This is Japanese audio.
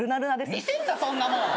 見せんなそんなもん！